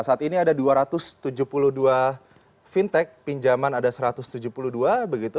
saat ini ada dua ratus tujuh puluh dua fintech pinjaman ada satu ratus tujuh puluh dua begitu